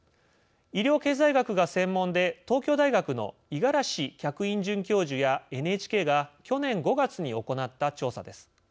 医療経済学が専門で東京大学の五十嵐客員准教授やＮＨＫが去年５月に行った調査です。